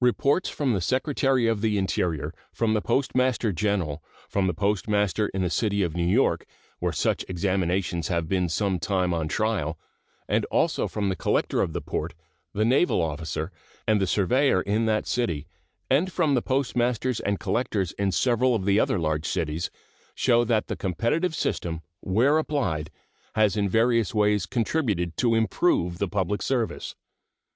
Reports from the Secretary of the Interior, from the Postmaster General, from the postmaster in the city of New York, where such examinations have been some time on trial, and also from the collector of the port, the naval officer, and the surveyor in that city, and from the postmasters and collectors in several of the other large cities, show that the competitive system, where applied, has in various ways contributed to improve the public service.